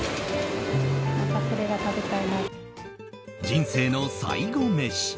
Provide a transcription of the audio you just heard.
人生の最後メシ。